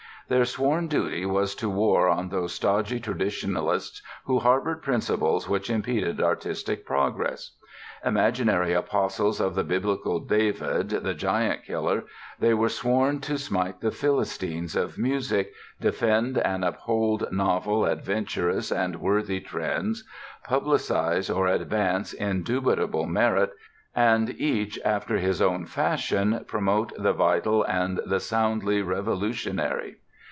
Their sworn duty was to war on those stodgy traditionalists who harbored principles which impeded artistic progress. Imaginary apostles of the biblical David, the giant killer, they were sworn to smite the Philistines of music, defend and uphold novel, adventurous and worthy trends, publicize or advance indubitable merit and, each after his own fashion, promote the vital and the soundly revolutionary.